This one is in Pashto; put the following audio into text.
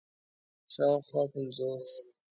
شاوخوا پنځوس